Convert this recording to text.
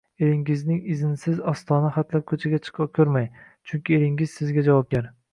Eringizning iznsiz ostona xatlab ko‘chaga chiqa ko‘rmang, chunki eringiz sizga javobgar.